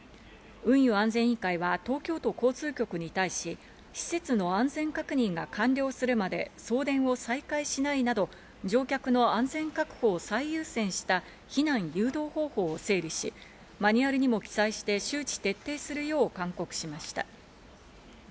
運輸安全委員会は東京都交通局に対し、施設の安全確認が完了するまで送電を再開しないなど、乗客の安全確保を最優先した避難誘導方法を整理し、マニュアルにも記載して周知徹底するよう勧告しました。